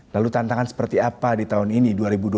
lalu tantangan seperti apa di tahun ini dua ribu dua puluh tiga